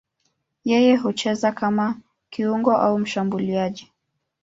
Yeye hucheza kama kiungo au mshambuliaji.